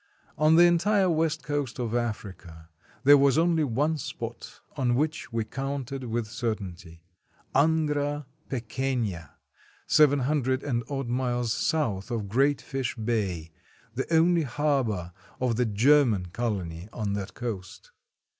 On the entire west coast of Africa, there was only one spot on which we counted with certainty: Angra Pe quena, seven hundred and odd miles south of Great Fish Bay, the only harbor of the German colony on that coast.